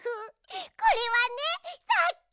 これはねさっき。